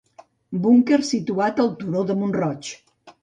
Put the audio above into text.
Búnquer situat al turó del Mont-Roig.